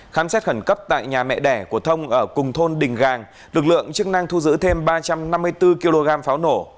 khám xét khẩn cấp tại nhà mẹ đẻ của thông ở cùng thôn đình gàng lực lượng chức năng thu giữ thêm ba trăm năm mươi bốn kg pháo nổ